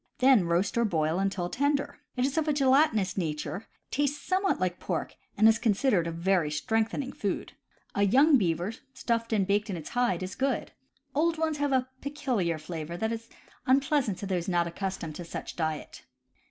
Then roast, or boil until tender. It is of a gelatinous nature, tastes somewhat like pork, and is considered very strengthening food. A young beaver, CAMP COOKERY 147 wStuffed and baked in its hide, is good; old ones have a pecuHar flavor that is unpleasant to those not accus tomed to such diet.